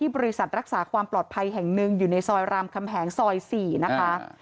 บริษัทรักษาความปลอดภัยแห่งหนึ่งอยู่ในซอยรามคำแหงซอย๔นะคะ